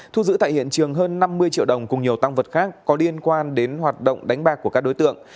thu giữ tại hiện trường hơn năm mươi triệu đồng cùng nhiều tăng vật khác có liên quan đến hoạt động đánh bạc của các đối tượng